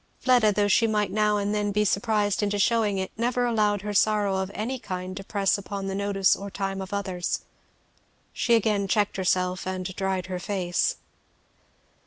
Fleda, though she might now and then be surprised into shewing it, never allowed her sorrow of any kind to press upon the notice or the time of others. She again checked herself and dried her face.